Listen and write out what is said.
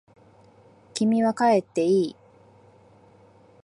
君は帰っていい。